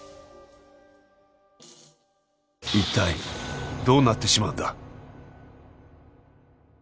一体どうなってしまうんだ？